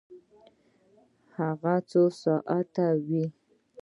هغه څو ساعته وی؟